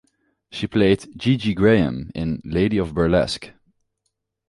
She played "Gee-Gee Graham" in "Lady of Burlesque".